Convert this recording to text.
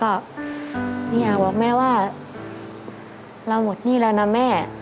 หนูอยากบอกแม่ว่าเราหมดหนี้แล้วนะแม่